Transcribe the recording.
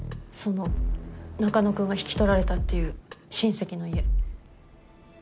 その中野くんが引き取られたっていう親戚の家。